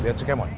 lihat si kemot